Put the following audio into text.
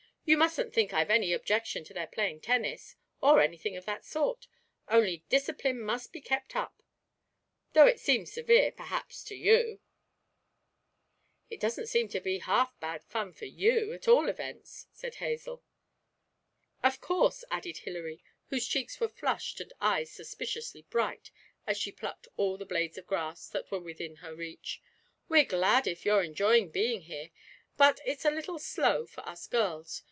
You mustn't think I've any objection to their playing tennis, or anything of that sort; only discipline must be kept up; though it seems severe, perhaps, to you.' 'It doesn't seem to be half bad fun for you, at all events,' said Hazel. 'Of course,' added Hilary, whose cheeks were flushed and eyes suspiciously bright as she plucked all the blades of grass that were within her reach, 'we're glad if you're enjoying being here; but it's a little slow for us girls.